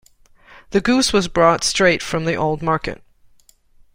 The goose was brought straight from the old market.